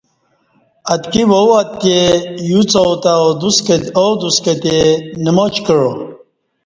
اتکی واو اتے یوڅ آو تہ آدوس کتے نماچ کعا